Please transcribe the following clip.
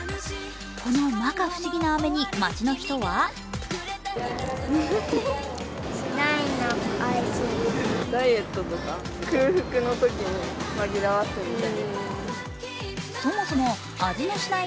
この摩訶不思議な飴に、街の人はそもそも味のしない？